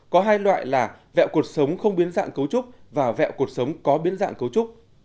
có hai loại là vẹo cuộc sống không biến dạng cấu trúc và vẹo cuộc sống có biến dạng cấu trúc